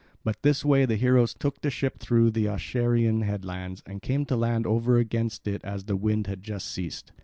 By this way the heroes took the ship through the Acherusian headland and came to land over against it as the wind had just ceased.